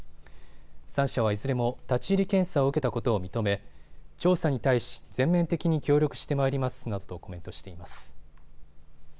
３社はいずれも立ち入り検査を受けたことを認め調査に対し、全面的に協力してまいりますなどとコメントしています。